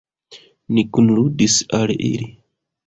Ni kunludis al ili.